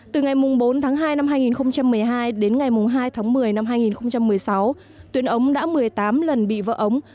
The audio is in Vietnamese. từ ngày bốn tháng hai năm hai nghìn một mươi hai đến ngày hai tháng một mươi năm hai nghìn một mươi sáu tuyến ống đã một mươi tám lần bị vỡ ống